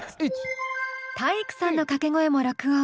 体育さんの掛け声も録音。